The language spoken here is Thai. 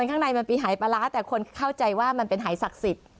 ข้างในมันมีหายปลาร้าแต่คนเข้าใจว่ามันเป็นหายศักดิ์สิทธิ์